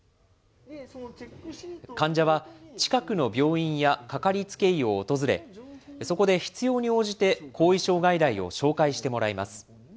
患者は近くの病院やかかりつけ医を訪れ、そこで必要に応じて後遺症外来を紹介してもらいます。